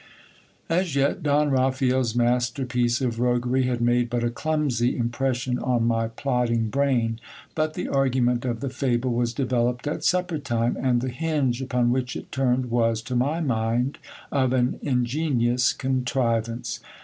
As yet Don Raphael's masterpiece of roguery had made but a clumsy im pression on my plodding brain ; but the argument of the fable was developed iX supper time, and the hinge upon which it turned was, to my mind, of an in genious contrivance.